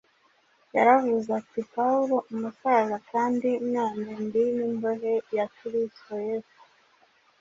Yaravuze ati, “Pawulo umusaza, kandi none ndi n’imbohe ya Kristo Yesu.